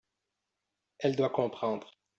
elle doit comprendre.